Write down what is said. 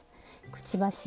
くちばし